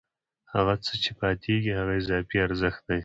هغه څه چې پاتېږي هغه اضافي ارزښت دی